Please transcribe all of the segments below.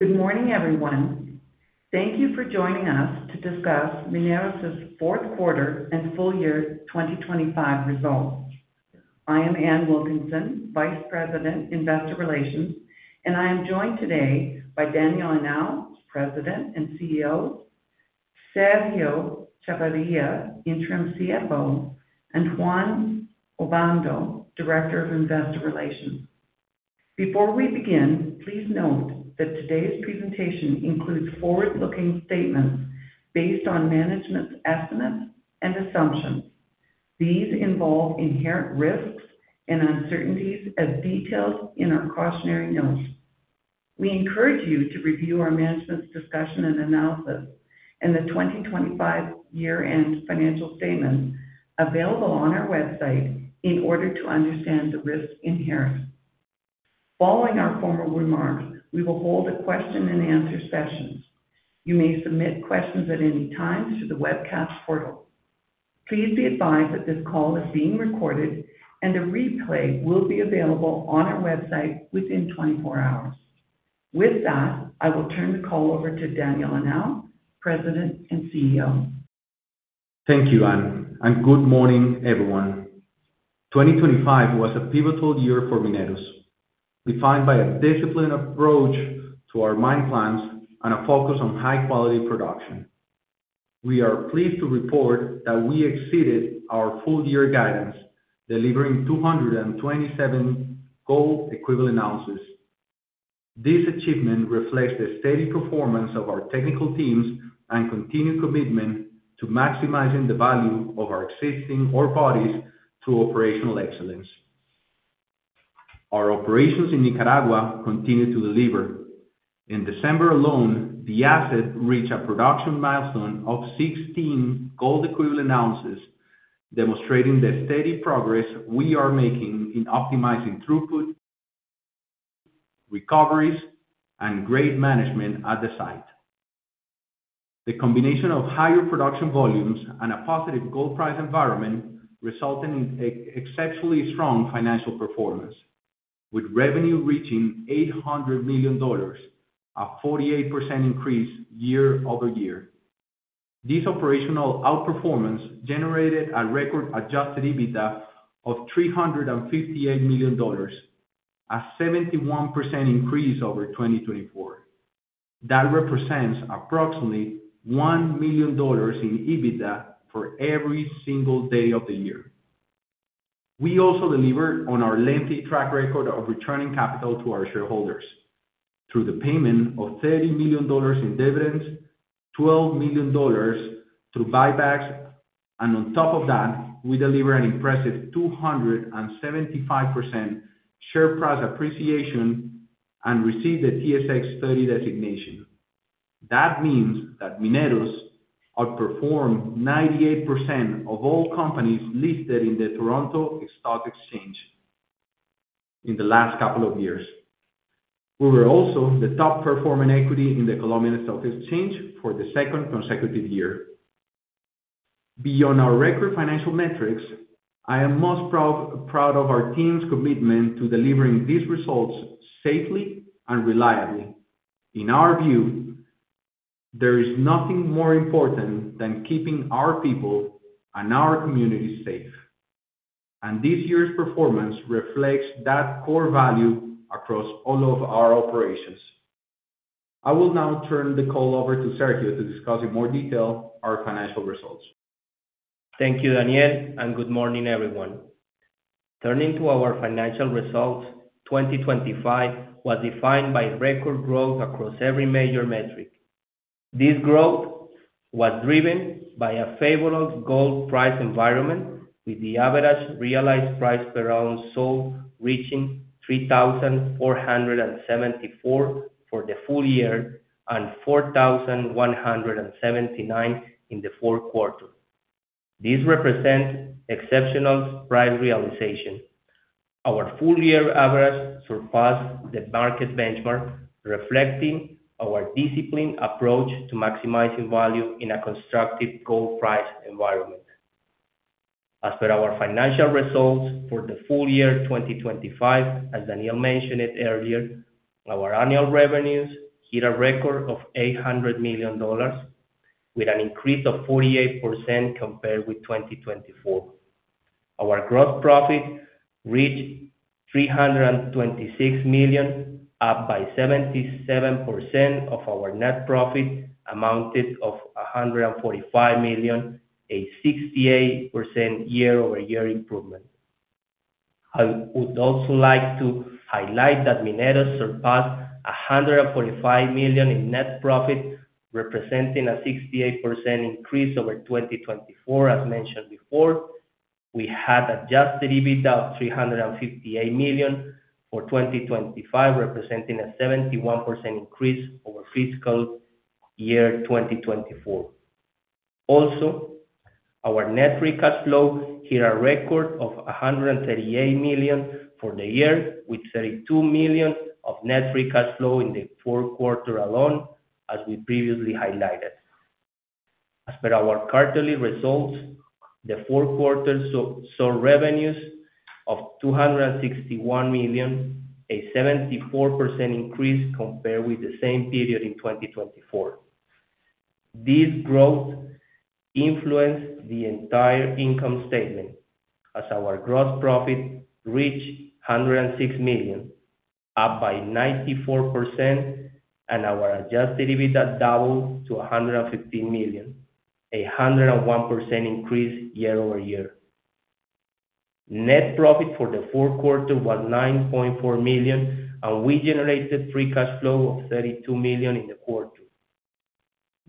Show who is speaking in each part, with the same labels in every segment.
Speaker 1: Good morning, everyone. Thank you for joining us to discuss Mineros' fourth quarter and full year 2025 results. I am Ann Wilkinson, Vice President, Investor Relations, and I am joined today by Daniel Henao, President and CEO, Sergio Chavarría, Interim CFO, and Juan Obando, Director of Investor Relations. Before we begin, please note that today's presentation includes forward-looking statements based on management's estimates and assumptions. These involve inherent risks and uncertainties as detailed in our cautionary notes. We encourage you to review our management's discussion and analysis and the 2025 year-end financial statements available on our website in order to understand the risks inherent. Following our formal remarks, we will hold a question and answer sessions. You may submit questions at any time through the webcast portal. Please be advised that this call is being recorded, and a replay will be available on our website within 24 hours. With that, I will turn the call over to Daniel Henao, President and CEO.
Speaker 2: Thank you, Ann, and good morning, everyone. 2025 was a pivotal year for Mineros, defined by a disciplined approach to our mine plans and a focus on high quality production. We are pleased to report that we exceeded our full year guidance, delivering 227 gold equivalent ounces. This achievement reflects the steady performance of our technical teams and continued commitment to maximizing the value of our existing ore bodies through operational excellence. Our operations in Nicaragua continue to deliver. In December alone, the asset reached a production milestone of 16 gold equivalent ounces, demonstrating the steady progress we are making in optimizing throughput, recoveries, and grade management at the site. The combination of higher production volumes and a positive gold price environment resulted in exceptionally strong financial performance, with revenue reaching $800 million, a 48% increase year-over-year. This operational outperformance generated a record Adjusted EBITDA of $358 million, a 71% increase over 2024. That represents approximately $1 million in EBITDA for every single day of the year. We also delivered on our lengthy track record of returning capital to our shareholders through the payment of $30 million in dividends, $12 million through buybacks, and on top of that, we delivered an impressive 275% share price appreciation and received a TSX30 designation. That means that Mineros outperformed 98% of all companies listed in the Toronto Stock Exchange in the last couple of years. We were also the top performing equity in the Colombian Stock Exchange for the second consecutive year. Beyond our record financial metrics, I am most proud, proud of our team's commitment to delivering these results safely and reliably. In our view, there is nothing more important than keeping our people and our communities safe, and this year's performance reflects that core value across all of our operations. I will now turn the call over to Sergio to discuss in more detail our financial results.
Speaker 3: Thank you, Daniel, and good morning, everyone. Turning to our financial results, 2025 was defined by record growth across every major metric. This growth was driven by a favorable gold price environment, with the average realized price per ounce sold reaching $3,474 for the full year and $4,179 in the fourth quarter. These represent exceptional price realization. Our full year average surpassed the market benchmark, reflecting our disciplined approach to maximizing value in a constructive gold price environment. As per our financial results for the full year 2025, as Daniel mentioned it earlier, our annual revenues hit a record of $800 million, with an increase of 48% compared with 2024. Our gross profit reached $326 million, up by 77% of our net profit, amounted to $145 million, a 68% year-over-year improvement. I would also like to highlight that Mineros surpassed $145 million in net profit, representing a 68% increase over 2024. As mentioned before, we had Adjusted EBITDA of $358 million for 2025, representing a 71% increase over fiscal year 2024. Also, our net free cash flow hit a record of $138 million for the year, with $32 million of net free cash flow in the fourth quarter alone, as we previously highlighted. As per our quarterly results, the fourth quarter saw revenues of $261 million, a 74% increase compared with the same period in 2024. This growth influenced the entire income statement, as our gross profit reached $106 million, up by 94%, and our Adjusted EBITDA doubled to $115 million, a 101% increase year-over-year. Net profit for the fourth quarter was $9.4 million, and we generated free cash flow of $32 million in the quarter.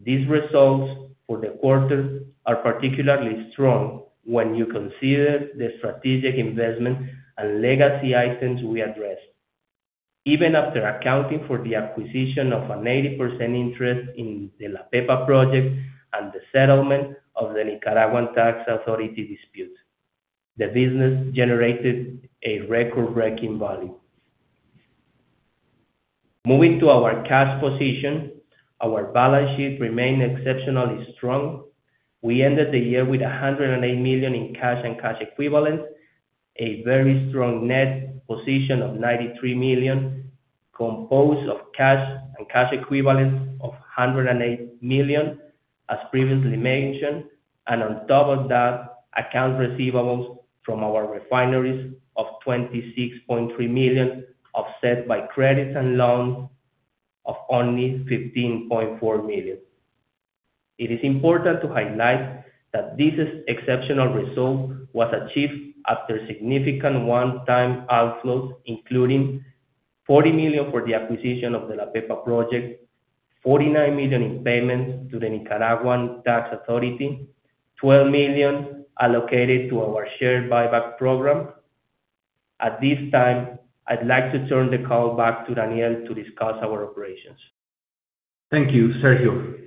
Speaker 3: These results for the quarter are particularly strong when you consider the strategic investment and legacy items we addressed. Even after accounting for the acquisition of an 80% interest in the La Pepa Project and the settlement of the Nicaraguan Tax Authority dispute, the business generated a record-breaking value. Moving to our cash position, our balance sheet remained exceptionally strong. We ended the year with $108 million in cash and cash equivalents, a very strong net position of $93 million, composed of cash and cash equivalents of $108 million, as previously mentioned, and on top of that, accounts receivable from our refineries of $26.3 million, offset by credits and loans of only $15.4 million. It is important to highlight that this exceptional result was achieved after significant one-time outflows, including $40 million for the acquisition of the La Pepa Project, $49 million in payments to the Nicaraguan Tax Authority, $12 million allocated to our share buyback program. At this time, I'd like to turn the call back to Daniel to discuss our operations.
Speaker 2: Thank you, Sergio.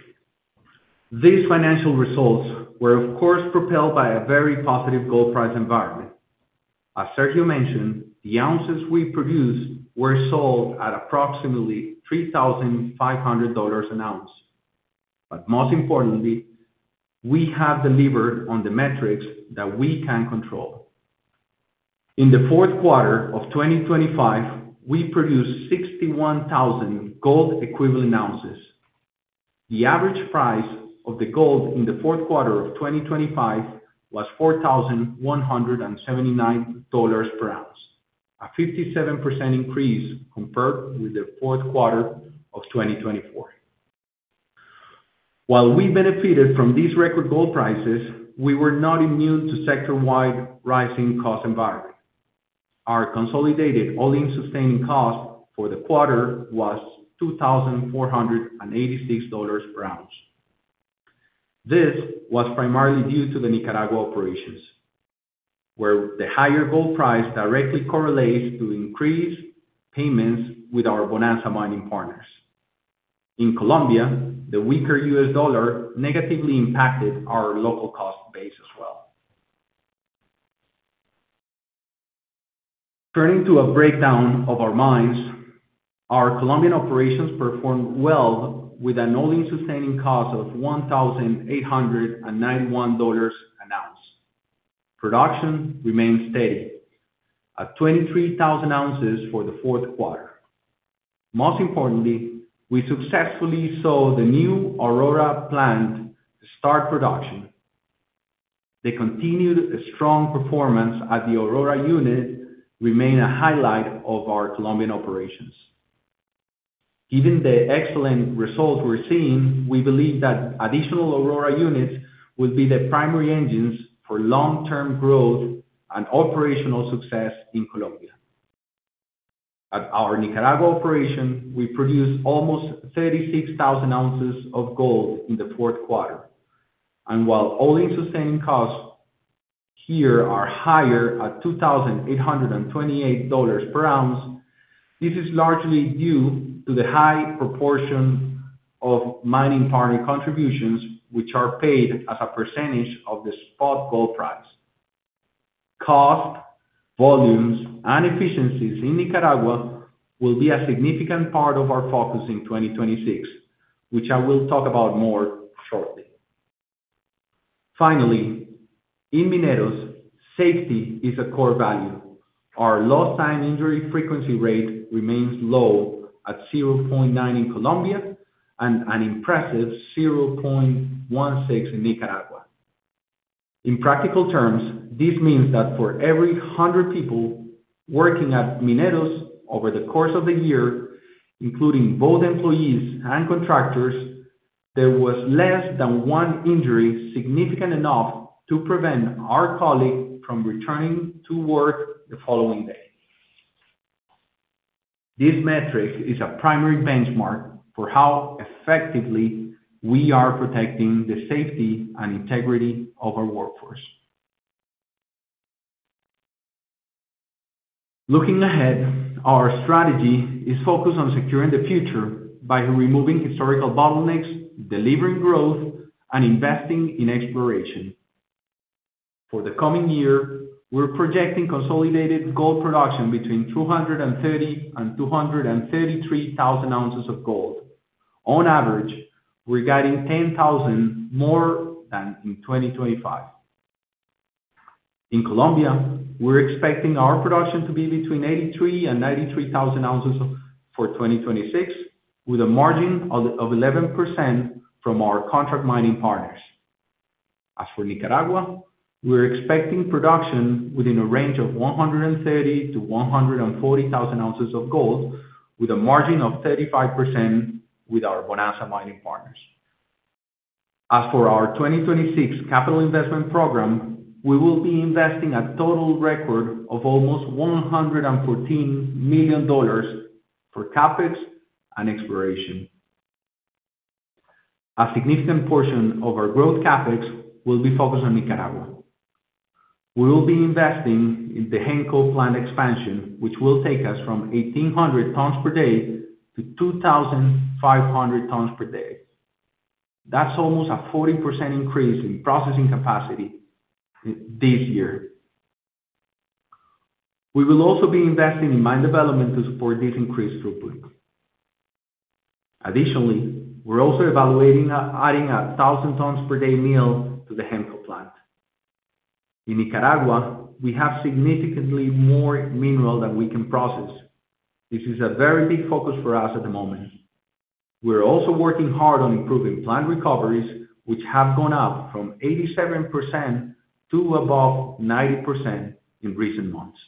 Speaker 2: These financial results were, of course, propelled by a very positive gold price environment. As Sergio mentioned, the ounces we produced were sold at approximately $3,500 an ounce. But most importantly, we have delivered on the metrics that we can control. In the fourth quarter of 2025, we produced 61,000 gold equivalent ounces. The average price of the gold in the fourth quarter of 2025 was $4,179 per ounce, a 57% increase compared with the fourth quarter of 2024. While we benefited from these record gold prices, we were not immune to sector-wide rising cost environment. Our consolidated all-in sustaining cost for the quarter was $2,486 per ounce. This was primarily due to the Nicaragua operations, where the higher gold price directly correlates to increased payments with our Bonanza Mining partners. In Colombia, the weaker U.S. dollar negatively impacted our local cost base as well. Turning to a breakdown of our mines, our Colombian operations performed well with an all-in sustaining cost of $1,891 an ounce. Production remained steady at 23,000 ounces for the fourth quarter. Most importantly, we successfully saw the new Aurora plant start production. The continued strong performance at the Aurora unit remained a highlight of our Colombian operations. Given the excellent results we're seeing, we believe that additional Aurora units will be the primary engines for long-term growth and operational success in Colombia. At our Nicaragua operation, we produced almost 36,000 ounces of gold in the fourth quarter. While all-in sustaining costs here are higher at $2,828 per ounce, this is largely due to the high proportion of mining party contributions, which are paid as a percentage of the spot gold price. Cost, volumes, and efficiencies in Nicaragua will be a significant part of our focus in 2026, which I will talk about more shortly. Finally, in Mineros, safety is a core value. Our lost time injury frequency rate remains low at 0.9 in Colombia and an impressive 0.16 in Nicaragua. In practical terms, this means that for every 100 people working at Mineros over the course of the year, including both employees and contractors, there was less than one injury significant enough to prevent our colleague from returning to work the following day. This metric is a primary benchmark for how effectively we are protecting the safety and integrity of our workforce. Looking ahead, our strategy is focused on securing the future by removing historical bottlenecks, delivering growth, and investing in exploration. For the coming year, we're projecting consolidated gold production between 230,000 and 233,000 ounces of gold. On average, we're guiding 10,000 more than in 2025. In Colombia, we're expecting our production to be between 83,000 and 93,000 ounces for 2026, with a margin of 11% from our contract mining partners. As for Nicaragua, we're expecting production within a range of 130,000-140,000 ounces of gold, with a margin of 35% with our Bonanza Mining partners. As for our 2026 capital investment program, we will be investing a total record of almost $114 million for CapEx and exploration. A significant portion of our growth CapEx will be focused on Nicaragua. We will be investing in the Hemco plant expansion, which will take us from 1,800 tons per day to 2,500 tons per day. That's almost a 40% increase in processing capacity this year. We will also be investing in mine development to support this increased throughput. Additionally, we're also evaluating adding a 1,000 tons per day mill to the Hemco plant. In Nicaragua, we have significantly more mineral than we can process. This is a very big focus for us at the moment. We're also working hard on improving plant recoveries, which have gone up from 87% to above 90% in recent months.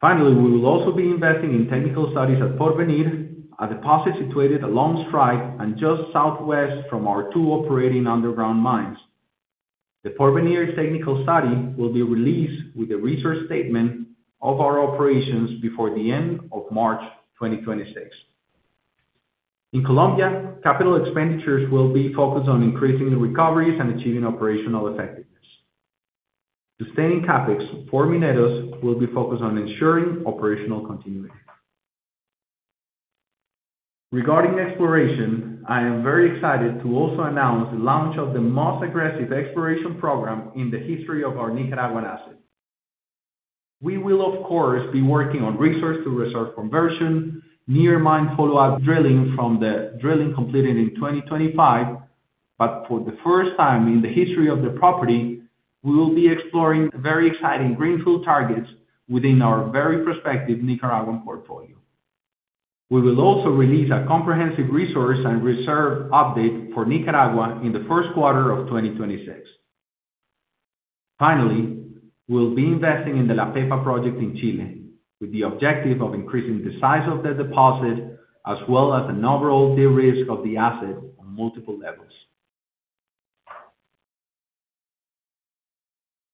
Speaker 2: Finally, we will also be investing in technical studies at Porvenir, a deposit situated along strike and just southwest from our two operating underground mines. The Porvenir technical study will be released with a research statement of our operations before the end of March 2026. In Colombia, capital expenditures will be focused on increasing the recoveries and achieving operational effectiveness. Sustaining CapEx for Mineros will be focused on ensuring operational continuity. Regarding exploration, I am very excited to also announce the launch of the most aggressive exploration program in the history of our Nicaraguan asset. We will, of course, be working on resource to reserve conversion, near mine follow-up drilling from the drilling completed in 2025, but for the first time in the history of the property, we will be exploring very exciting greenfield targets within our very prospective Nicaraguan portfolio. We will also release a comprehensive resource and reserve update for Nicaragua in the first quarter of 2026. Finally, we'll be investing in the La Pepa Project in Chile, with the objective of increasing the size of the deposit as well as an overall de-risk of the asset on multiple levels.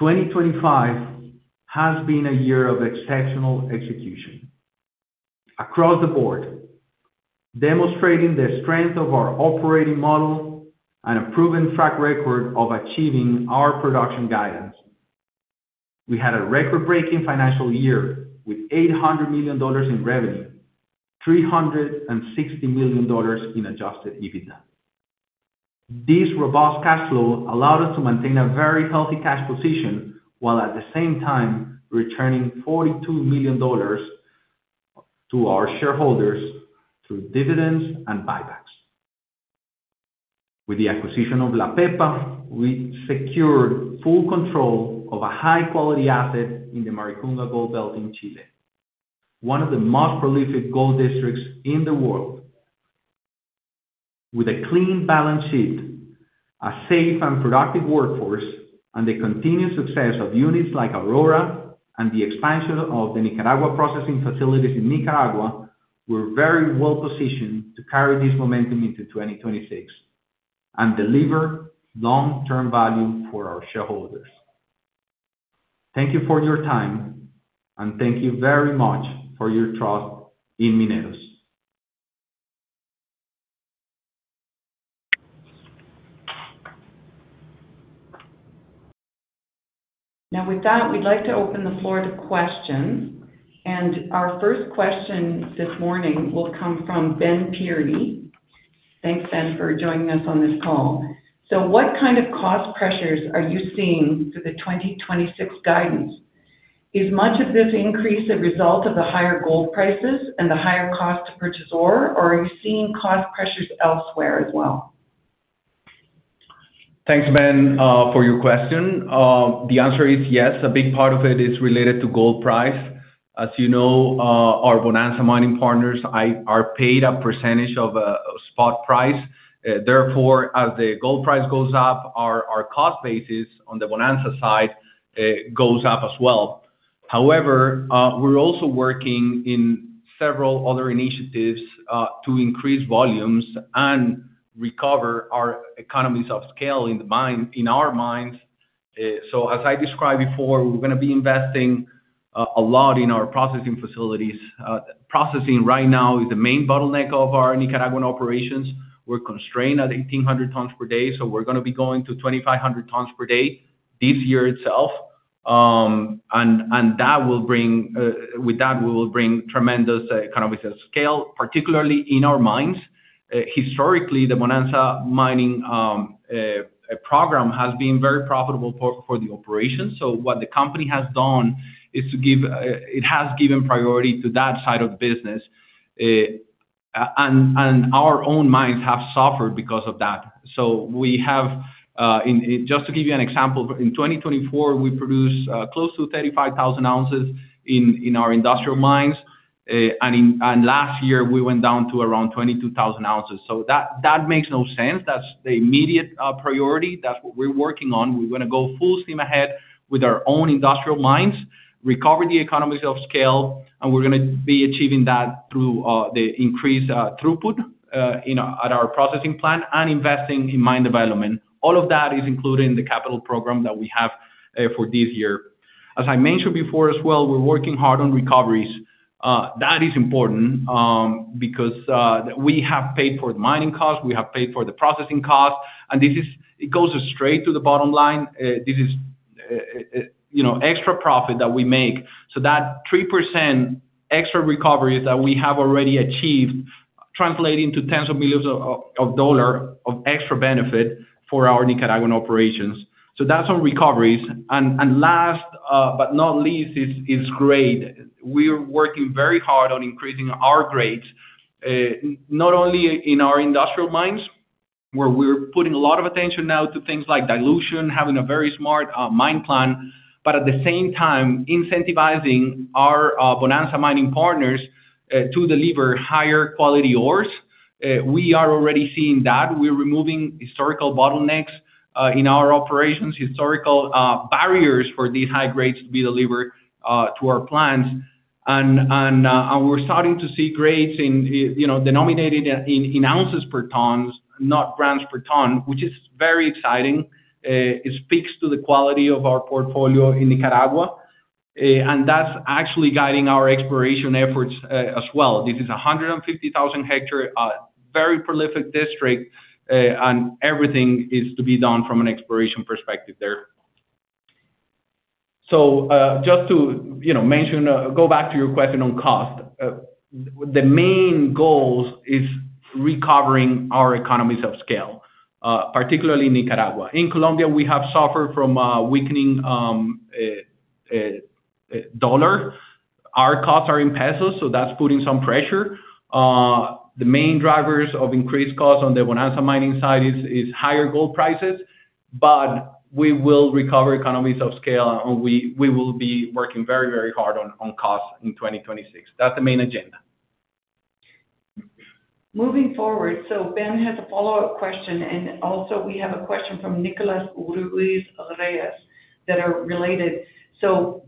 Speaker 2: 2025 has been a year of exceptional execution across the board, demonstrating the strength of our operating model and a proven track record of achieving our production guidance. We had a record-breaking financial year with $800 million in revenue, $360 million in Adjusted EBITDA. This robust cash flow allowed us to maintain a very healthy cash position, while at the same time returning $42 million to our shareholders through dividends and buybacks. With the acquisition of La Pepa, we secured full control of a high-quality asset in the Maricunga Gold Belt in Chile, one of the most prolific gold districts in the world. With a clean balance sheet, a safe and productive workforce, and the continued success of units like Aurora and the expansion of the Nicaragua processing facilities in Nicaragua, we're very well positioned to carry this momentum into 2026 and deliver long-term value for our shareholders. Thank you for your time, and thank you very much for your trust in Mineros.
Speaker 4: Now, with that, we'd like to open the floor to questions. Our first question this morning will come from Ben Pirie. Thanks, Ben, for joining us on this call. What kind of cost pressures are you seeing for the 2026 guidance? Is much of this increase a result of the higher gold prices and the higher cost to purchase ore, or are you seeing cost pressures elsewhere as well?
Speaker 2: Thanks, Ben, for your question. The answer is yes. A big part of it is related to gold price. As you know, our Bonanza mining partners are paid a percentage of spot price. Therefore, as the gold price goes up, our cost basis on the Bonanza side goes up as well. However, we're also working in several other initiatives to increase volumes and recover our economies of scale in the mine, in our mines. So as I described before, we're gonna be investing a lot in our processing facilities. Processing right now is the main bottleneck of our Nicaraguan operations. We're constrained at 1,800 tons per day, so we're gonna be going to 2,500 tons per day this year itself. And that will bring, with that, we will bring tremendous economies of scale, particularly in our mines. Historically, the Bonanza Mining program has been very profitable for the operation. What the company has done is to give—it has given priority to that side of business, and our own mines have suffered because of that. We have, just to give you an example, in 2024, we produced close to 35,000 ounces in our industrial mines, and last year, we went down to around 22,000 ounces. That makes no sense. That's the immediate priority. That's what we're working on. We're gonna go full steam ahead with our own industrial mines, recover the economies of scale, and we're gonna be achieving that through the increased throughput in at our processing plant and investing in mine development. All of that is included in the capital program that we have for this year. As I mentioned before as well, we're working hard on recoveries. That is important because we have paid for the mining costs, we have paid for the processing costs, and this is - it goes straight to the bottom line. This is, you know, extra profit that we make. So that 3% extra recovery that we have already achieved translating to tens of millions of dollars of extra benefit for our Nicaraguan operations. So that's on recoveries. And last, but not least, is grade. We are working very hard on increasing our grades, not only in our industrial mines, where we're putting a lot of attention now to things like dilution, having a very smart, mine plan, but at the same time, incentivizing our, Bonanza Mining partners, to deliver higher quality ores. We are already seeing that. We're removing historical bottlenecks, in our operations, historical, barriers for these high grades to be delivered, to our plants. And we're starting to see grades in, you know, denominated in, ounces per tons, not grams per ton, which is very exciting. It speaks to the quality of our portfolio in Nicaragua, and that's actually guiding our exploration efforts, as well. This is a 150,000 hectare, very prolific district, and everything is to be done from an exploration perspective there. So, just to, you know, mention, go back to your question on cost. The main goals is recovering our economies of scale, particularly in Nicaragua. In Colombia, we have suffered from a weakening U.S. dollar. Our costs are in Colombian pesos, so that's putting some pressure. The main drivers of increased costs on the Bonanza Mining side is higher gold prices, but we will recover economies of scale, and we will be working very, very hard on costs in 2026. That's the main agenda.
Speaker 4: Moving forward, Ben has a follow-up question, and also we have a question from Nicholas Ruiz Reyes that are related.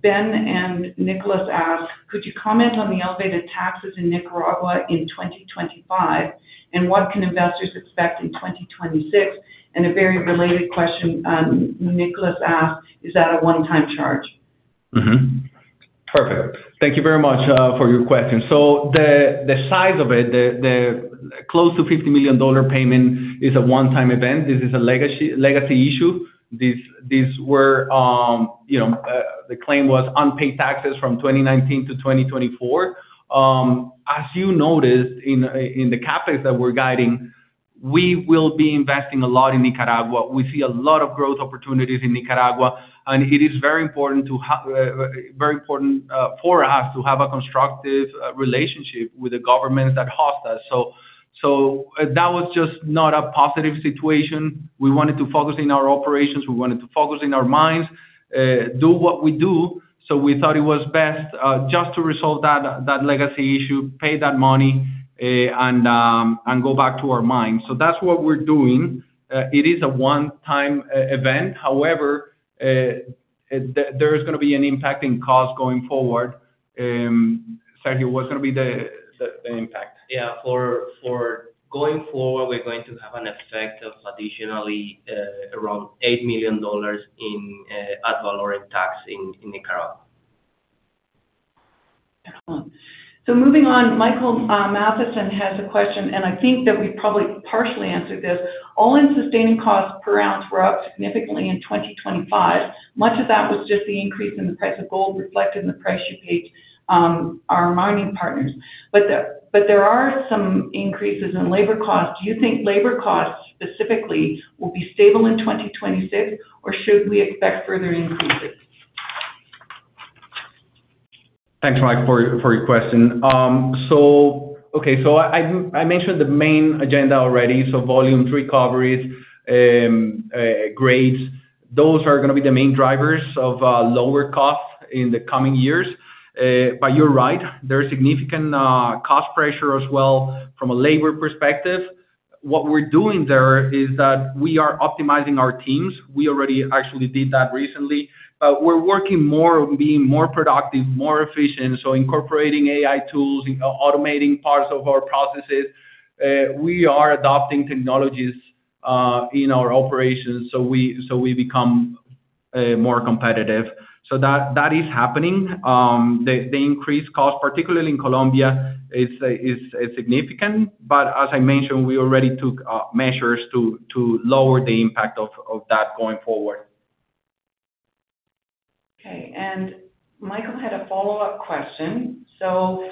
Speaker 4: Ben and Nicholas ask: Could you comment on the elevated taxes in Nicaragua in 2025, and what can investors expect in 2026? And a very related question, Nicholas asked, "Is that a one-time charge?
Speaker 2: Mm-hmm. Perfect. Thank you very much for your question. So the size of it, the close to $50 million payment is a one-time event. This is a legacy issue. These were you know, the claim was unpaid taxes from 2019 to 2024. As you noticed in the CapEx that we're guiding, we will be investing a lot in Nicaragua. We see a lot of growth opportunities in Nicaragua, and it is very important to have very important for us to have a constructive relationship with the government that hosts us. So that was just not a positive situation. We wanted to focus in our operations, we wanted to focus in our mines, do what we do. So we thought it was best, just to resolve that legacy issue, pay that money, and go back to our mine. So that's what we're doing. It is a one-time event. However, there is gonna be an impact in cost going forward. Sergio, what's gonna be the impact?
Speaker 3: Yeah. For going forward, we're going to have an effect of additionally around $8 million in ad valorem tax in Nicaragua.
Speaker 4: Excellent. So moving on, Michael Matheson has a question, and I think that we probably partially answered this. All-in sustaining costs per ounce were up significantly in 2025. Much of that was just the increase in the price of gold reflected in the price you paid our mining partners. But there, but there are some increases in labor costs. Do you think labor costs specifically will be stable in 2026, or should we expect further increases?
Speaker 2: Thanks, Mike, for your question. So okay, so I mentioned the main agenda already. So volume, recoveries, grades, those are gonna be the main drivers of lower costs in the coming years. But you're right, there are significant cost pressure as well from a labor perspective. What we're doing there is that we are optimizing our teams. We already actually did that recently, but we're working more on being more productive, more efficient, so incorporating AI tools, in automating parts of our processes. We are adopting technologies in our operations, so we become more competitive. So that is happening. The increased cost, particularly in Colombia, is significant, but as I mentioned, we already took measures to lower the impact of that going forward.
Speaker 4: Okay, and Michael had a follow-up question. So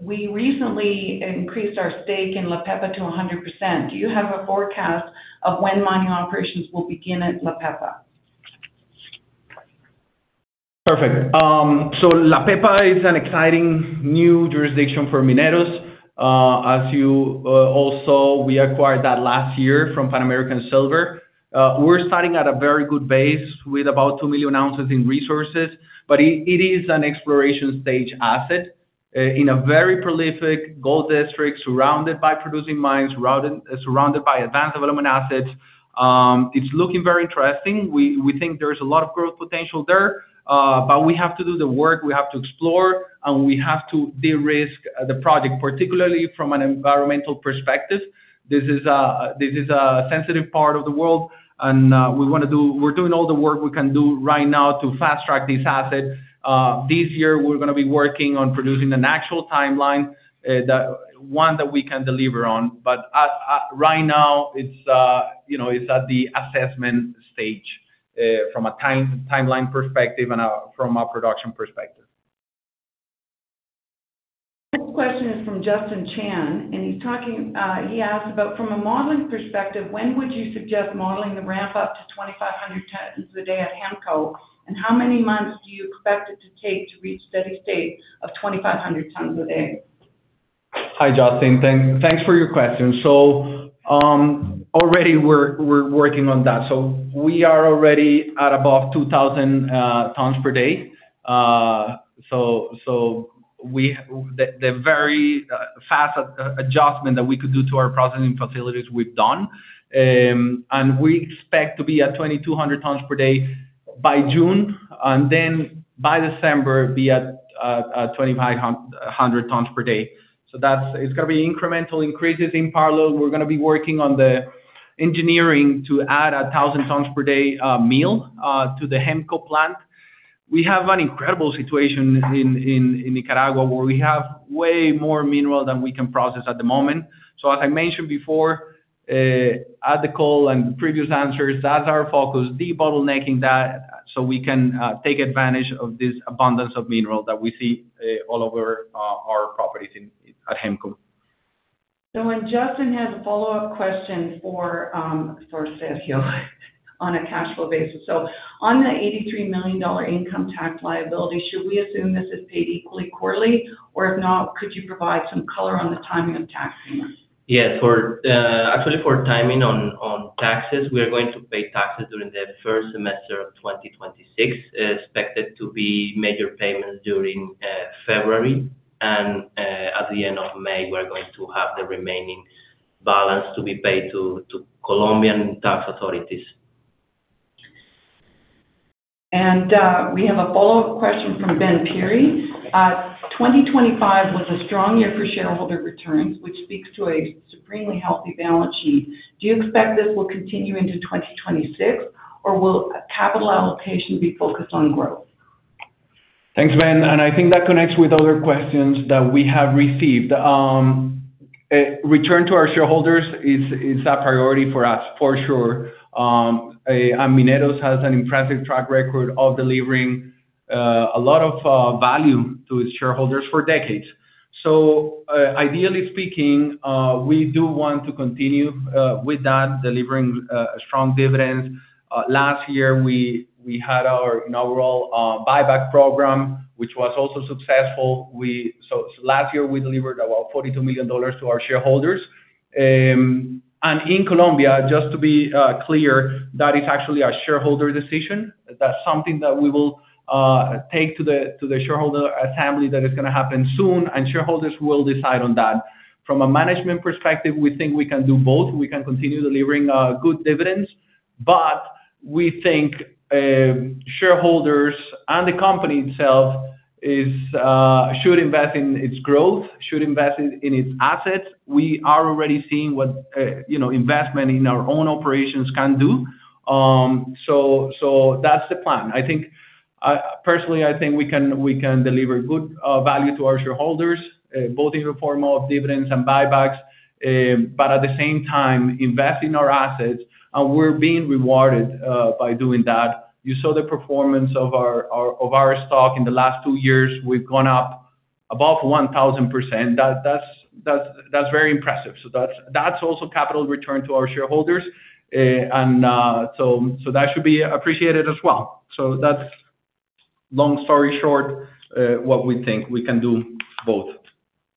Speaker 4: we recently increased our stake in La Pepa to 100%. Do you have a forecast of when mining operations will begin at La Pepa?
Speaker 2: Perfect. So La Pepa is an exciting new jurisdiction for Mineros. As you all saw, we acquired that last year from Pan American Silver. We're starting at a very good base with about two million ounces in resources, but it is an exploration stage asset in a very prolific gold district, surrounded by producing mines, surrounded by advanced development assets. It's looking very interesting. We think there's a lot of growth potential there, but we have to do the work, we have to explore, and we have to de-risk the project, particularly from an environmental perspective. This is a sensitive part of the world and we're doing all the work we can do right now to fast-track this asset. This year, we're gonna be working on producing an actual timeline, one that we can deliver on. But right now, it's, you know, it's at the assessment stage, from a timeline perspective and from a production perspective.
Speaker 4: This question is from Justin Chan, and he's talking. He asked about, "From a modeling perspective, when would you suggest modeling the ramp up to 2,500 tonnes a day at Hemco? And how many months do you expect it to take to reach steady state of 2,500 tonnes a day?
Speaker 2: Hi, Justin. Thanks for your question. So, already we're working on that. So we are already at above 2,000 tonnes per day. So, the very fast adjustment that we could do to our processing facilities, we've done. And we expect to be at 2,200 tonnes per day by June, and then by December, be at 2,500 tonnes per day. So that's- it's gonna be incremental increases in parallel. We're gonna be working on the engineering to add 1,000 tonnes per day mill to the Hemco plant. We have an incredible situation in Nicaragua, where we have way more mineral than we can process at the moment. So as I mentioned before, at the call and previous answers, that's our focus, debottlenecking that, so we can take advantage of this abundance of mineral that we see, all over our, our properties in, at Hemco.
Speaker 4: Justin has a follow-up question for Sergio, on a cash flow basis. On the $83 million income tax liability, should we assume this is paid equally quarterly? Or if not, could you provide some color on the timing of tax payments?
Speaker 3: Yes, actually, for timing on taxes, we are going to pay taxes during the first semester of 2026. Expected to be major payments during February, and at the end of May, we're going to have the remaining balance to be paid to Colombian tax authorities.
Speaker 4: We have a follow-up question from Ben Pirie. 2025 was a strong year for shareholder returns, which speaks to a supremely healthy balance sheet. Do you expect this will continue into 2026, or will capital allocation be focused on growth?
Speaker 2: Thanks, Ben, and I think that connects with other questions that we have received. Return to our shareholders is a priority for us, for sure. And Mineros has an impressive track record of delivering a lot of value to its shareholders for decades. So, ideally speaking, we do want to continue with that, delivering a strong dividend. Last year, we had our inaugural buyback program, which was also successful. So last year, we delivered about $42 million to our shareholders. And in Colombia, just to be clear, that is actually a shareholder decision. That's something that we will take to the shareholder assembly, that is gonna happen soon, and shareholders will decide on that. From a management perspective, we think we can do both. We can continue delivering good dividends, but we think shareholders and the company itself should invest in its growth, should invest in its assets. We are already seeing what you know investment in our own operations can do. So that's the plan. I think personally I think we can deliver good value to our shareholders both in the form of dividends and buybacks but at the same time invest in our assets, and we're being rewarded by doing that. You saw the performance of our stock in the last two years. We've gone up above 1,000%. That's very impressive. So that's also capital return to our shareholders. And so that should be appreciated as well. So that's long story short, what we think. We can do both.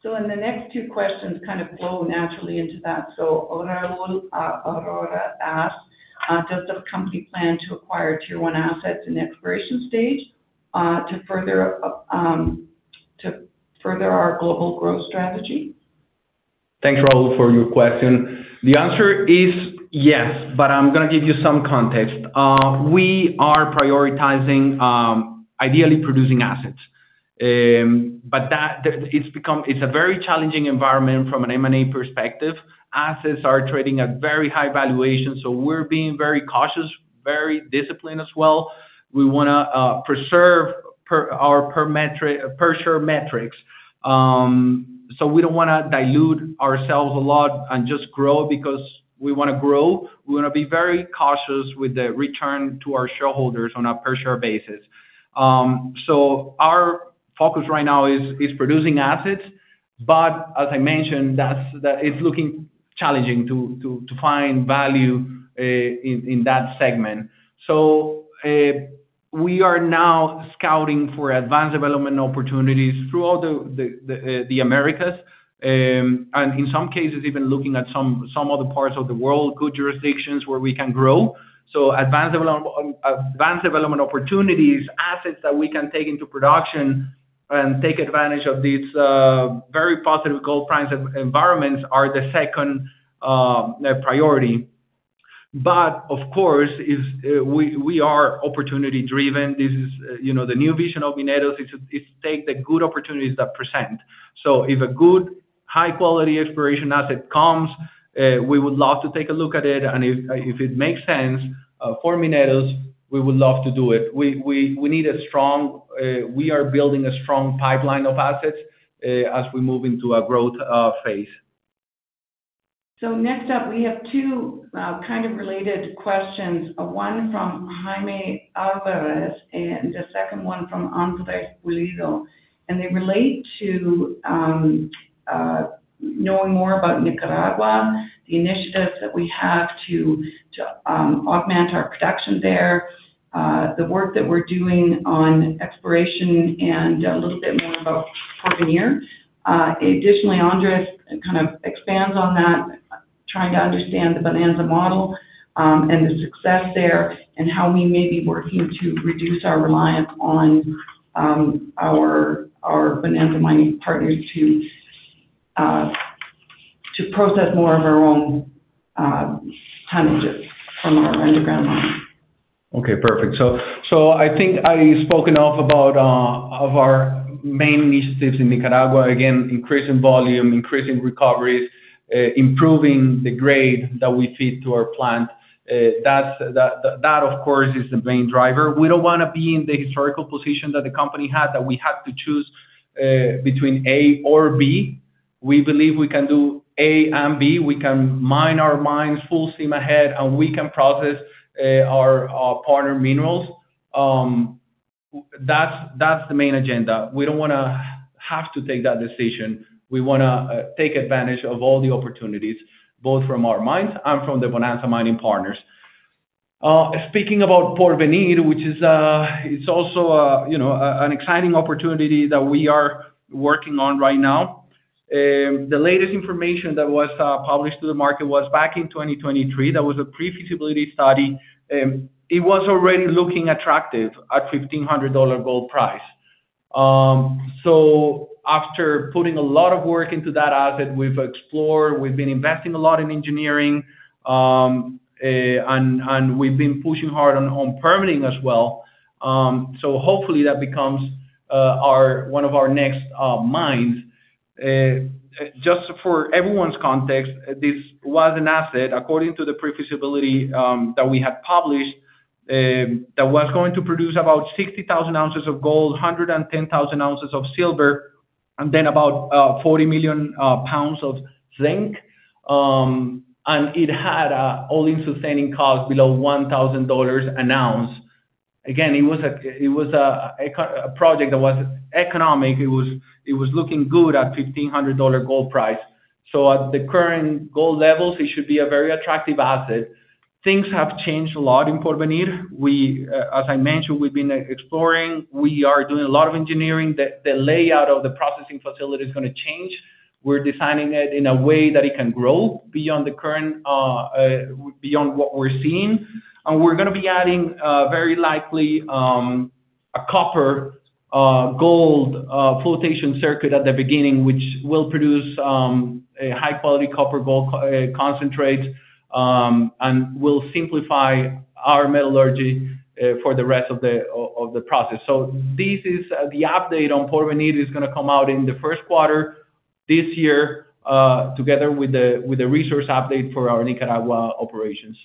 Speaker 4: So and the next two questions kind of flow naturally into that. So Raul, Raul asked, "Does the company plan to acquire Tier 1 assets in exploration stage, to further, to further our global growth strategy?
Speaker 2: Thanks, Raul, for your question. The answer is yes, but I'm gonna give you some context. We are prioritizing, ideally producing assets. But it's become a very challenging environment from an M&A perspective. Assets are trading at very high valuations, so we're being very cautious, very disciplined as well. We wanna preserve our per-share metrics. So we don't wanna dilute ourselves a lot and just grow because we wanna grow. We wanna be very cautious with the return to our shareholders on a per-share basis. So our focus right now is producing assets. But as I mentioned, that's looking challenging to find value in that segment. So we are now scouting for advanced development opportunities throughout the Americas. And in some cases, even looking at some other parts of the world, good jurisdictions where we can grow. So advanced development opportunities, assets that we can take into production and take advantage of these very positive gold price environments are the second priority. But of course, we are opportunity driven. This is, you know, the new vision of Mineros, is to take the good opportunities that present. So if a good, high-quality exploration asset comes, we would love to take a look at it, and if it makes sense for Mineros, we would love to do it. We need a strong—we are building a strong pipeline of assets as we move into a growth phase.
Speaker 4: So next up, we have two, kind of related questions, one from Jaime Alvarez and the second one from Andres Pulido. And they relate to knowing more about Nicaragua, the initiatives that we have to augment our production there, the work that we're doing on exploration, and a little bit more about Porvenir. Additionally, Andres kind of expands on that, trying to understand the Bonanza model, and the success there, and how we may be working to reduce our reliance on our Bonanza mining partners to process more of our own tonnages from our underground mine.
Speaker 2: Okay, perfect. So I think I've spoken about our main initiatives in Nicaragua. Again, increasing volume, increasing recoveries, improving the grade that we feed to our plant. That's the main driver. We don't wanna be in the historical position that the company had, that we had to choose between A or B. We believe we can do A and B. We can mine our mines full steam ahead, and we can process our partner minerals. That's the main agenda. We don't wanna have to take that decision. We wanna take advantage of all the opportunities, both from our mines and from the Bonanza Mining partners. Speaking about Porvenir, which is it's also a you know an exciting opportunity that we are working on right now. The latest information that was published to the market was back in 2023. That was a pre-feasibility study, it was already looking attractive at $1,500 gold price. So after putting a lot of work into that asset, we've explored, we've been investing a lot in engineering, and we've been pushing hard on permitting as well. So hopefully that becomes one of our next mines. Just for everyone's context, this was an asset, according to the pre-feasibility, that we had published, that was going to produce about 60,000 ounces of gold, 110,000 ounces of silver, and then about 40 million pounds of zinc. And it had all-in sustaining costs below $1,000 an ounce. Again, it was an economic project. It was looking good at $1,500 gold price. So at the current gold levels, it should be a very attractive asset. Things have changed a lot in Porvenir. We, as I mentioned, we've been exploring. We are doing a lot of engineering. The layout of the processing facility is gonna change. We're designing it in a way that it can grow beyond the current, beyond what we're seeing. And we're gonna be adding, very likely, a copper gold flotation circuit at the beginning, which will produce a high quality copper gold concentrate, and will simplify our metallurgy for the rest of the process. This is the update on Porvenir, is gonna come out in the first quarter this year, together with the resource update for our Nicaragua operations.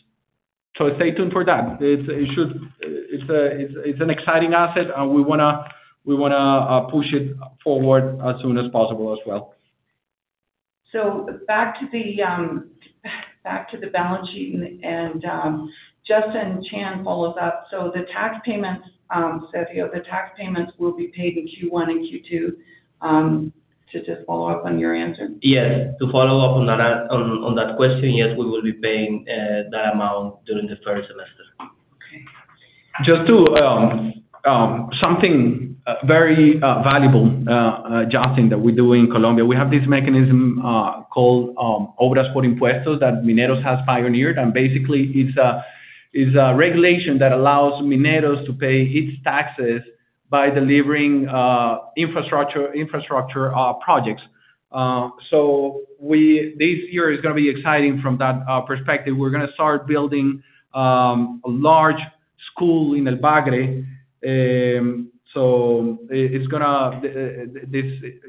Speaker 2: Stay tuned for that. It's- it should... It's a, it's, it's an exciting asset, and we wanna, we wanna, push it forward as soon as possible as well.
Speaker 4: So back to the balance sheet, and, Justin Chan follows up. "So the tax payments, Sergio, the tax payments will be paid in Q1 and Q2?" To just follow up on your answer.
Speaker 3: Yes. To follow up on that, on, on that question, yes, we will be paying that amount during the first semester.
Speaker 4: Okay.
Speaker 2: Just to something very valuable, Justin, that we do in Colombia, we have this mechanism called Obras por Impuestos that Mineros has pioneered. And basically, it's a regulation that allows Mineros to pay its taxes by delivering infrastructure projects. So this year is gonna be exciting from that perspective. We're gonna start building a large school in El Bagre. So it's gonna,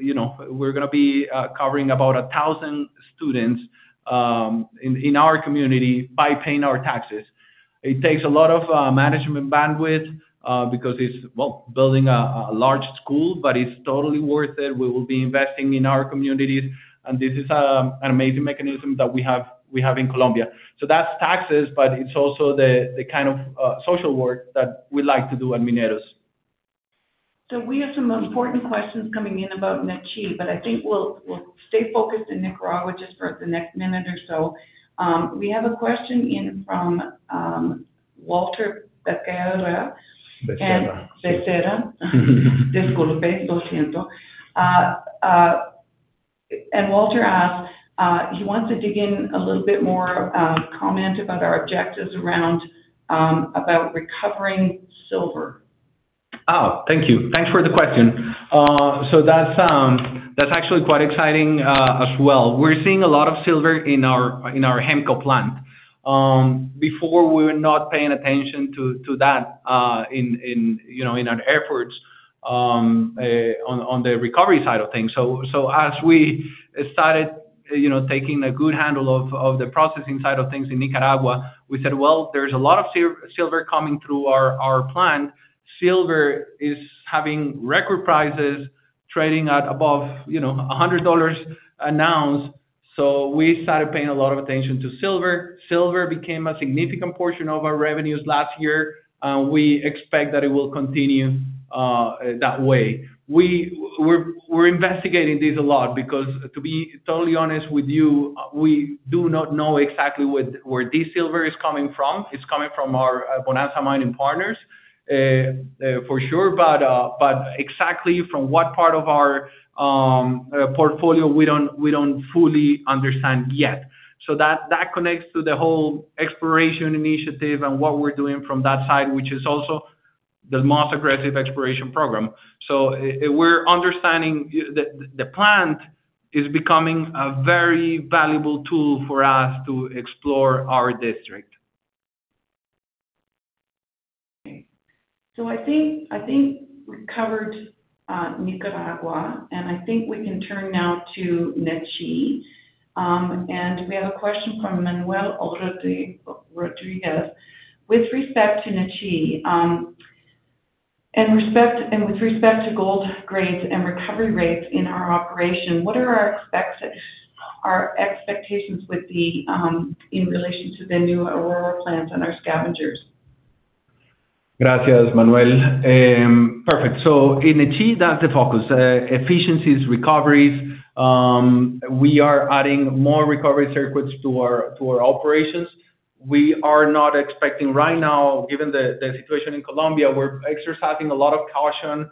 Speaker 2: you know, we're gonna be covering about 1,000 students in our community by paying our taxes. It takes a lot of management bandwidth because it's well, building a large school, but it's totally worth it. We will be investing in our communities, and this is an amazing mechanism that we have in Colombia. So that's taxes, but it's also the kind of social work that we like to do at Mineros. ...
Speaker 4: So we have some important questions coming in about Nechí, but I think we'll stay focused in Nicaragua just for the next minute or so. We have a question in from Walter Becerra.
Speaker 2: Becerra.
Speaker 4: Becerra. Disculpe, lo siento. Walter asked, he wants to dig in a little bit more, comment about our objectives around recovering silver.
Speaker 2: Oh, thank you. Thanks for the question. So that, that's actually quite exciting, as well. We're seeing a lot of silver in our Hemco plant. Before we were not paying attention to that, in you know, in our efforts, on the recovery side of things. So as we started, you know, taking a good handle of the processing side of things in Nicaragua, we said, "Well, there's a lot of silver coming through our plant." Silver is having record prices, trading at above, you know, $100 an ounce. So we started paying a lot of attention to silver. Silver became a significant portion of our revenues last year, and we expect that it will continue that way. We're investigating this a lot because, to be totally honest with you, we do not know exactly where this silver is coming from. It's coming from our Bonanza mining partners, for sure, but exactly from what part of our portfolio, we don't fully understand yet. So that connects to the whole exploration initiative and what we're doing from that side, which is also the most aggressive exploration program. So, we're understanding the plant is becoming a very valuable tool for us to explore our district.
Speaker 4: Okay. So I think we covered Nicaragua, and I think we can turn now to Nechí. We have a question from Manuel Rodríguez. With respect to Nechí and with respect to gold grades and recovery rates in our operation, what are our expectations with the in relation to the new Aurora plants and our scavengers?
Speaker 2: Gracias, Manuel. Perfect. So in Nechí, that's the focus, efficiencies, recoveries. We are adding more recovery circuits to our, to our operations. We are not expecting right now, given the, the situation in Colombia, we're exercising a lot of caution.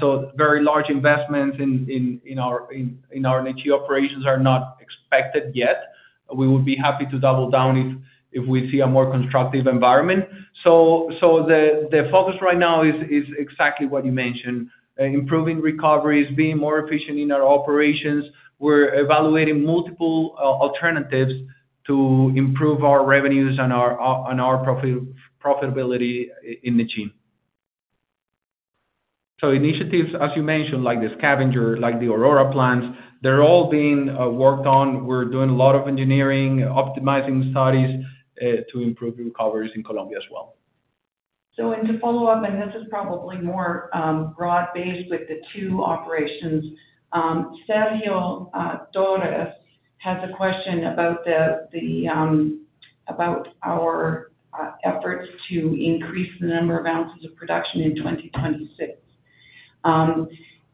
Speaker 2: So very large investments in, in, in our, in, in our Nechí operations are not expected yet. We would be happy to double down if, if we see a more constructive environment. So, so the, the focus right now is, is exactly what you mentioned, improving recoveries, being more efficient in our operations. We're evaluating multiple, alternatives to improve our revenues and our, and our profitability in Nechí. So initiatives, as you mentioned, like the scavenger, like the Aurora plants, they're all being, worked on. We're doing a lot of engineering, optimizing studies, to improve recoveries in Colombia as well.
Speaker 4: To follow up, this is probably more broad-based with the two operations, Sergio Torres has a question about our efforts to increase the number of ounces of production in 2026.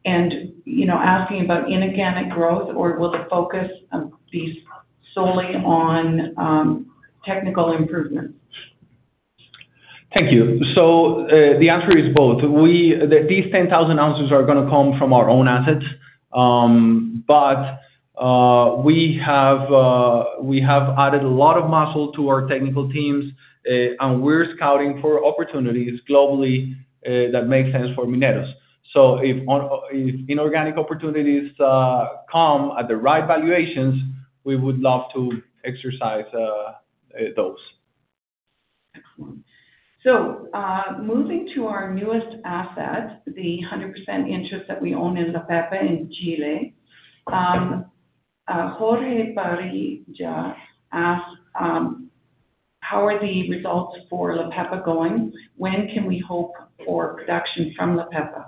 Speaker 4: And, you know, asking about inorganic growth or will the focus be solely on technical improvements?
Speaker 2: Thank you. So, the answer is both. These 10,000 ounces are gonna come from our own assets. But, we have added a lot of muscle to our technical teams, and we're scouting for opportunities globally, that make sense for Mineros. So if inorganic opportunities come at the right valuations, we would love to exercise those.
Speaker 4: Excellent. So, moving to our newest asset, the 100% interest that we own in La Pepa in Chile. Jorge Barillas asked: How are the results for La Pepa going? When can we hope for production from La Pepa?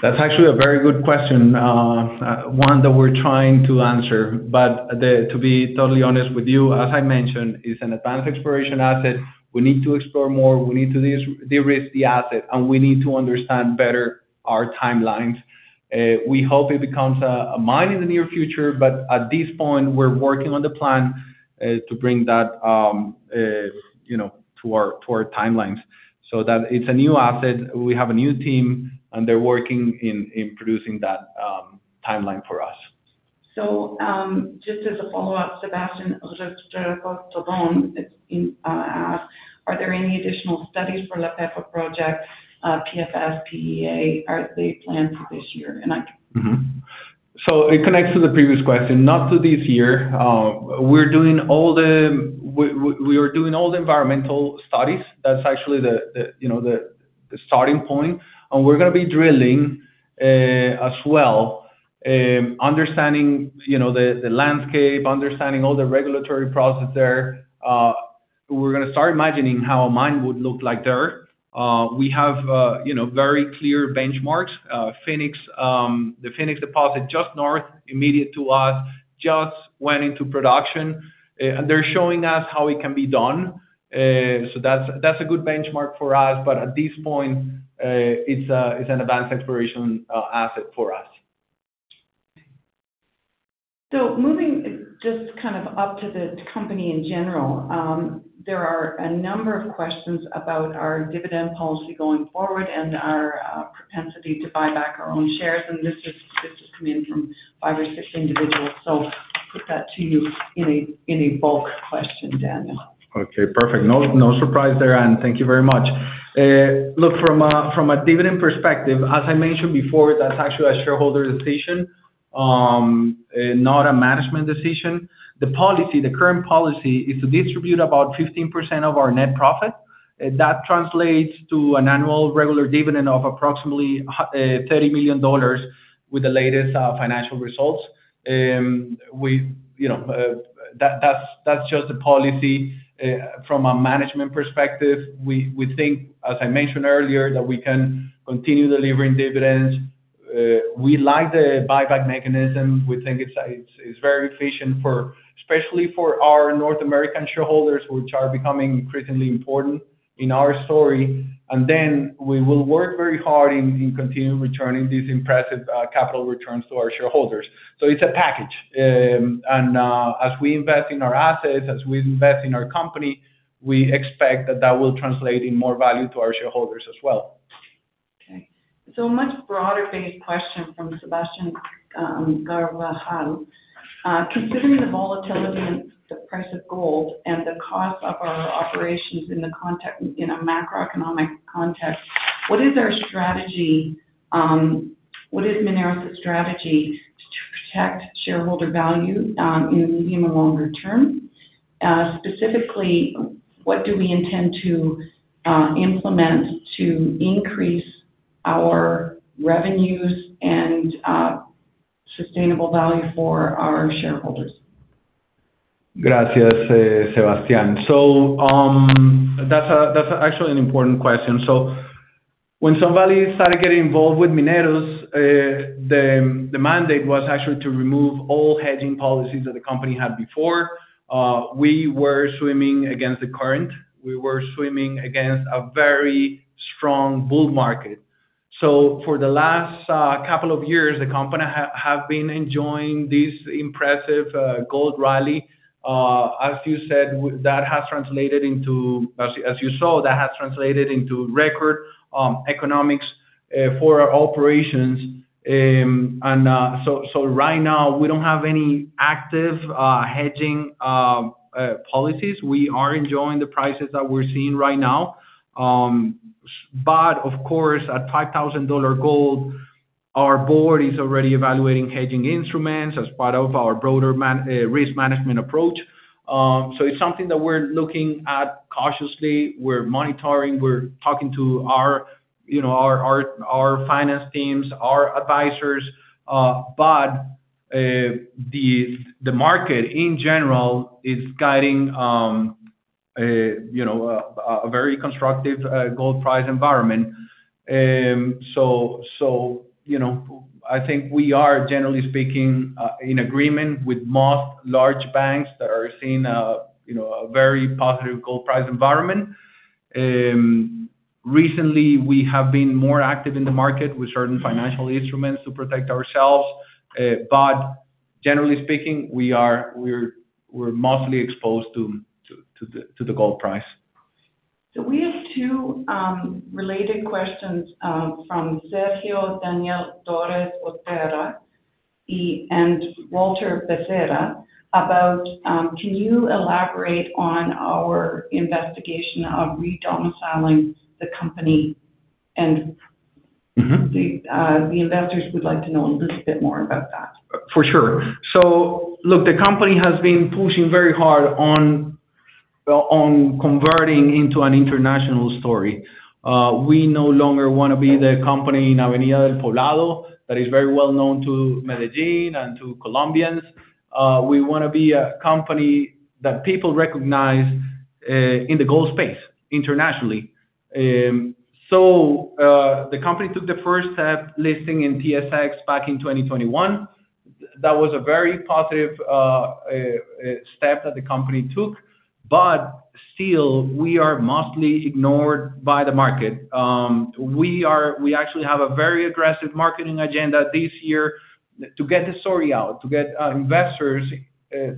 Speaker 2: That's actually a very good question, one that we're trying to answer. But to be totally honest with you, as I mentioned, it's an advanced exploration asset. We need to explore more, we need to de-derisk the asset, and we need to understand better our timelines. We hope it becomes a mine in the near future, but at this point, we're working on the plan to bring that, you know, to our timelines. So that it's a new asset. We have a new team, and they're working in producing that timeline for us.
Speaker 4: So, just as a follow-up, Sebastian Rodriguez asked: Are there any additional studies for La Pepa project, PFS, PEA, are they planned for this year? And I-
Speaker 2: Mm-hmm. So it connects to the previous question, not to this year. We're doing all the environmental studies. That's actually the starting point, and we're gonna be drilling, as well. Understanding, you know, the landscape, understanding all the regulatory process there. We're gonna start imagining how a mine would look like there. We have, you know, very clear benchmarks. Fenix, the Fenix deposit, just north, immediate to us, just went into production, and they're showing us how it can be done. So that's a good benchmark for us, but at this point, it's an advanced exploration asset for us....
Speaker 4: So moving just kind of up to the company in general, there are a number of questions about our dividend policy going forward and our propensity to buy back our own shares. And this is coming from five or six individuals. So put that to you in a bulk question, Daniel.
Speaker 2: Okay, perfect. No, no surprise there, and thank you very much. Look, from a dividend perspective, as I mentioned before, that's actually a shareholder decision, not a management decision. The policy, the current policy is to distribute about 15% of our net profit. That translates to an annual regular dividend of approximately $30 million with the latest financial results. We, you know, that's just a policy. From a management perspective, we think, as I mentioned earlier, that we can continue delivering dividends. We like the buyback mechanism. We think it's very efficient for, especially for our North American shareholders, which are becoming increasingly important in our story. And then we will work very hard in continuing returning these impressive capital returns to our shareholders. So it's a package. As we invest in our assets, as we invest in our company, we expect that that will translate in more value to our shareholders as well.
Speaker 4: Okay. So a much broader-based question from Sebastian Garrahan. Considering the volatility in the price of gold and the cost of our operations in a macroeconomic context, what is our strategy, what is Mineros' strategy to protect shareholder value in the medium and longer term? Specifically, what do we intend to implement to increase our revenues and sustainable value for our shareholders?
Speaker 2: Gracias, Sebastian. That's actually an important question. When somebody started getting involved with Mineros, the mandate was actually to remove all hedging policies that the company had before. We were swimming against the current. We were swimming against a very strong bull market. For the last couple of years, the company have, have been enjoying this impressive gold rally. As you said, that has translated into... As you saw, that has translated into record economics for our operations. Right now, we don't have any active hedging policies. We are enjoying the prices that we're seeing right now. Of course, at $5,000 gold, our board is already evaluating hedging instruments as part of our broader risk management approach. So it's something that we're looking at cautiously. We're monitoring, we're talking to our, you know, our finance teams, our advisors. But the market in general is guiding a you know a very constructive gold price environment. So you know I think we are generally speaking in agreement with most large banks that are seeing a you know a very positive gold price environment. Recently we have been more active in the market with certain financial instruments to protect ourselves but generally speaking we are we're mostly exposed to the gold price.
Speaker 4: So we have two related questions from Sergio Daniel Torres Otero and Walter Becerra about can you elaborate on our investigation of redomiciling the company? And-
Speaker 2: Mm-hmm.
Speaker 4: The investors would like to know a little bit more about that.
Speaker 2: For sure. So look, the company has been pushing very hard on converting into an international story. We no longer want to be the company in Avenida El Poblado, that is very well known to Medellín and to Colombians. We wanna be a company that people recognize in the gold space internationally. The company took the first step, listing in TSX back in 2021. That was a very positive step that the company took, but still, we are mostly ignored by the market. We are-- we actually have a very aggressive marketing agenda this year to get the story out, to get our investors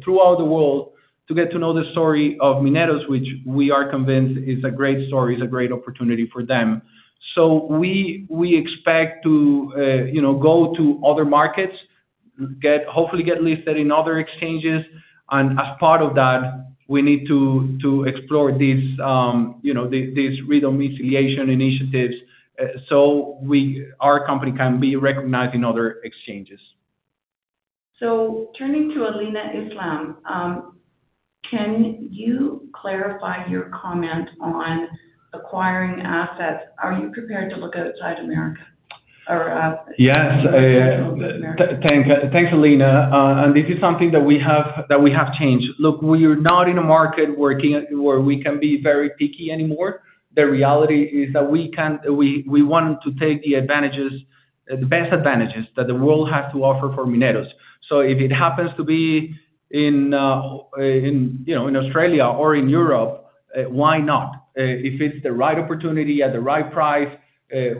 Speaker 2: throughout the world, to get to know the story of Mineros, which we are convinced is a great story, is a great opportunity for them. So we expect to, you know, go to other markets, hopefully get listed in other exchanges, and as part of that, we need to explore these, you know, these redomiciliation initiatives, so our company can be recognized in other exchanges.
Speaker 4: Turning to Alina Islam, can you clarify your comment on acquiring assets? Are you prepared to look outside America or,
Speaker 2: Yes.
Speaker 4: Outside of America.
Speaker 2: Thanks, Alina. And this is something that we have changed. Look, we are not in a market where we can be very picky anymore. The reality is that we can. We want to take the advantages, the best advantages that the world has to offer for Mineros. So if it happens to be in, you know, in Australia or in Europe. Why not? If it's the right opportunity at the right price,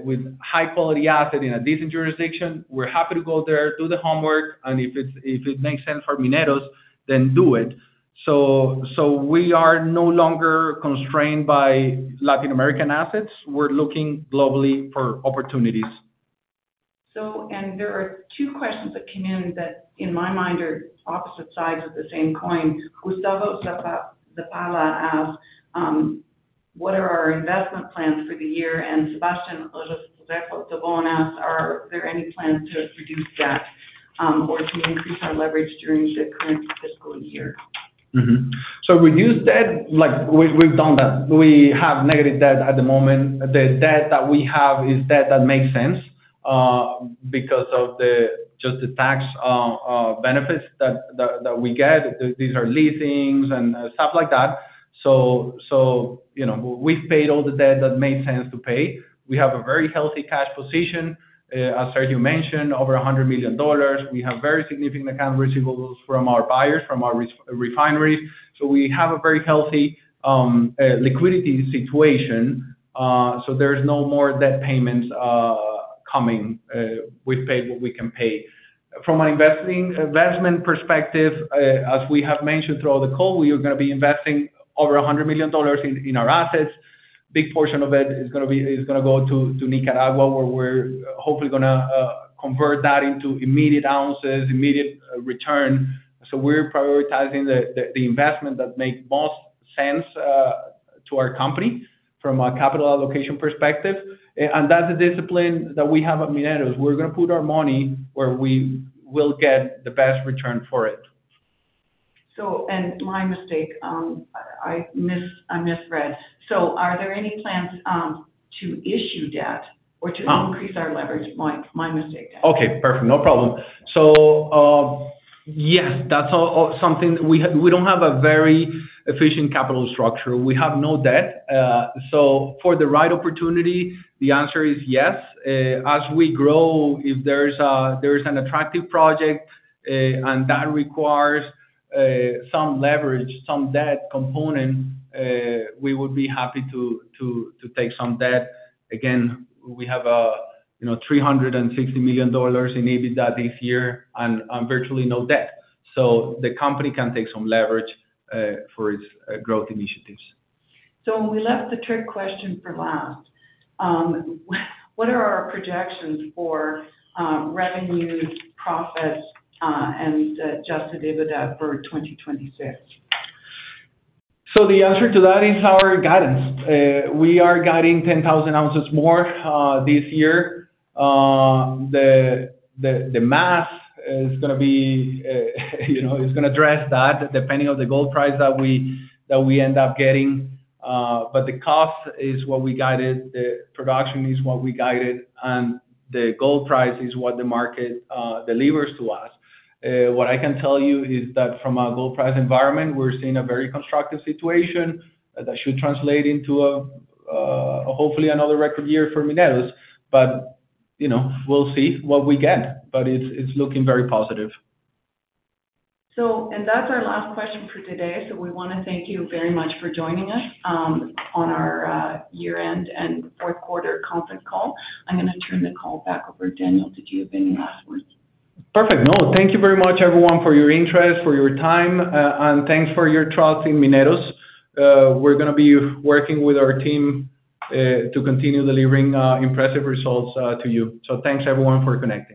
Speaker 2: with high quality asset in a decent jurisdiction, we're happy to go there, do the homework, and if it makes sense for Mineros, then do it. So we are no longer constrained by Latin American assets. We're looking globally for opportunities.
Speaker 4: So, and there are two questions that came in that, in my mind, are opposite sides of the same coin. Gustavo Zavala asked, what are our investment plans for the year? And Sebastian Zeppo Debona asked, are there any plans to reduce debt, or to increase our leverage during the current fiscal year?
Speaker 2: Mm-hmm. So reduce debt, like, we've done that. We have negative debt at the moment. The debt that we have is debt that makes sense because of just the tax benefits that we get. These are leasings and stuff like that. So you know, we've paid all the debt that made sense to pay. We have a very healthy cash position, as Sergio mentioned, over $100 million. We have very significant accounts receivable from our buyers, from our refineries. So we have a very healthy liquidity situation. So there's no more debt payments coming. We've paid what we can pay. From an investment perspective, as we have mentioned throughout the call, we are gonna be investing over $100 million in our assets. A big portion of it is gonna go to Nicaragua, where we're hopefully gonna convert that into immediate ounces, immediate return. So we're prioritizing the investment that makes most sense to our company from a capital allocation perspective. And that's a discipline that we have at Mineros. We're gonna put our money where we will get the best return for it.
Speaker 4: So, my mistake, I missed. I misread. So are there any plans to issue debt or to increase our leverage? My mistake.
Speaker 2: Okay, perfect. No problem. So, yes, that's something we have. We don't have a very efficient capital structure. We have no debt. So for the right opportunity, the answer is yes. As we grow, if there's an attractive project and that requires some leverage, some debt component, we would be happy to take some debt. Again, we have, you know, $350 million in EBITDA this year and virtually no debt, so the company can take some leverage for its growth initiatives.
Speaker 4: We left the trick question for last. What are our projections for revenue, profits, and Adjusted EBITDA for 2026?
Speaker 2: So the answer to that is our guidance. We are guiding 10,000 ounces more this year. The math is gonna be, you know, gonna address that depending on the gold price that we end up getting. But the cost is what we guided, the production is what we guided, and the gold price is what the market delivers to us. What I can tell you is that from a gold price environment, we're seeing a very constructive situation that should translate into a hopefully another record year for Mineros. But, you know, we'll see what we get, but it's looking very positive.
Speaker 4: That's our last question for today. We wanna thank you very much for joining us on our year-end and fourth quarter conference call. I'm gonna turn the call back over to Daniel. Did you have any last words?
Speaker 2: Perfect. No. Thank you very much, everyone, for your interest, for your time, and thanks for your trust in Mineros. We're gonna be working with our team to continue delivering impressive results to you. So thanks, everyone, for connecting.